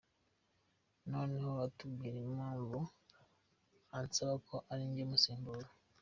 Noneho atubwira impamvu ansaba ko ari jye umusimbura.